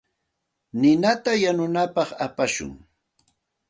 Ninata yanunapaq apashun.